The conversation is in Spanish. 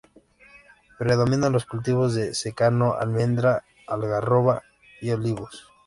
Predominan los cultivos de secano: almendra, algarroba y olivos.